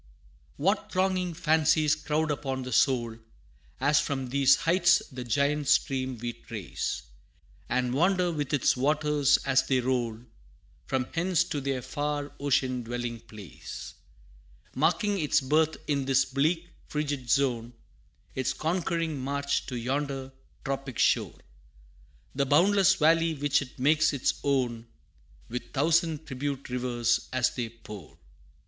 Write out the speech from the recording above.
[B] IV. What thronging fancies crowd upon the soul, As from these heights the Giant Stream we trace, And wander with its waters as they roll From hence, to their far ocean dwelling place Marking its birth in this bleak frigid zone, Its conquering march to yonder tropic shore, The boundless valley which it makes its own, With thousand tribute rivers as they pour!